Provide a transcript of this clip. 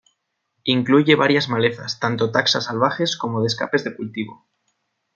Incluye varias malezas, tanto taxa salvajes como de escapes del cultivo.